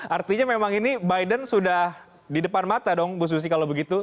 artinya memang ini biden sudah di depan mata dong bu susi kalau begitu